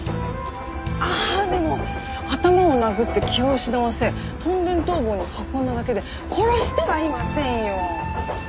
あーでも頭を殴って気を失わせ屯田陶房に運んだだけで殺してはいませんよ！